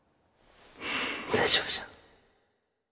大丈夫じゃ。